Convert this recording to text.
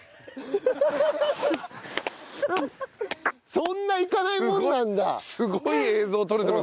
そんないかないもんなんだ。